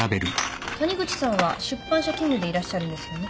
谷口さんは出版社勤務でいらっしゃるんですよね。